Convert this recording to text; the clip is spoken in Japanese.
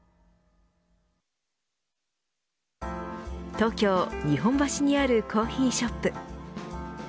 東京、日本橋にあるコーヒーショップ。